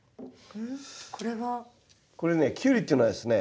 これねキュウリっていうのはですね